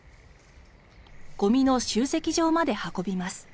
ごみの集積場まで運びます。